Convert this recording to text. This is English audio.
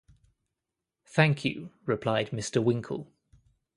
‘Thank you,’ replied Mr. Winkle.